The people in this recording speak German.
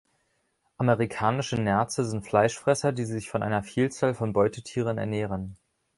Amerikanische Nerze sind Fleischfresser, die sich von einer Vielzahl von Beutetieren ernähren.